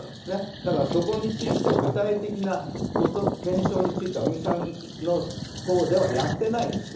だからそこについて、具体的な検証については、尾身さんのほうではやってないんですよ。